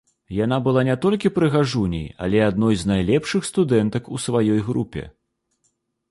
Яна была не толькі прыгажуняй, але і адной з найлепшых студэнтак у сваёй групе.